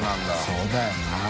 そうだよな。